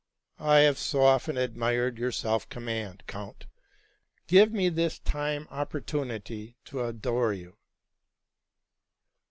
I have so often admired your self command, count: give me this time opportunity to adore you.